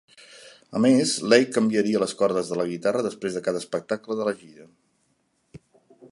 A més, Lake canviaria les cordes de la guitarra després de cada espectacle de la gira.